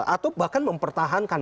atau bahkan mempertahankan